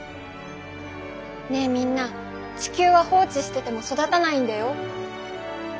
ねえみんな地球は放置してても育たないんだよ。